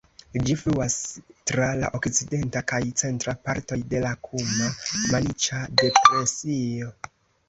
Ĝi fluas tra la okcidenta kaj centra partoj de la Kuma-Maniĉa depresio.